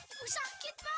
ibu sakit pak